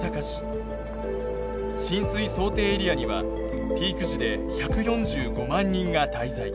浸水想定エリアにはピーク時で１４５万人が滞在。